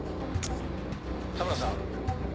田村さん？